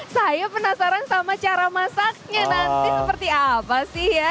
saya penasaran sama cara masaknya nanti seperti apa sih ya